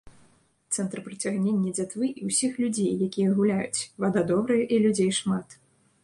Цэнтр прыцягнення дзятвы і ўсіх людзей, якія гуляюць, вада добрая і людзей шмат.